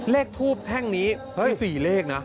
เลขทูปแท่งนี้๔เลขนะ